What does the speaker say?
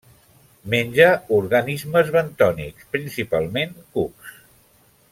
Menja organismes bentònics, principalment cucs.